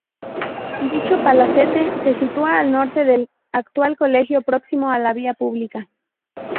Dicho palacete se sitúa al norte del actual colegio, próximo a la vía pública.